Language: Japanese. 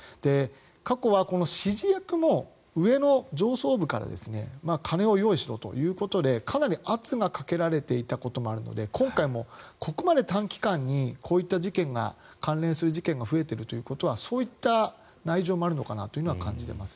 過去は指示役も上の上層部から金を用意しろということでかなり圧がかけられていたこともあるので今回もここまで短期間にこういった関連する事件が増えているということはそういった内情もあるのかなというのは感じています。